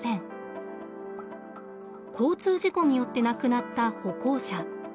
交通事故によって亡くなった歩行者。